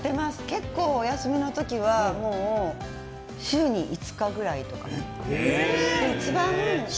結構、お休みの時は週に５日ぐらいとか。